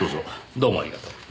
どうもありがとう。